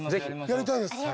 やりたいです。